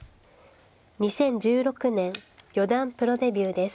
２０１６年四段プロデビューです。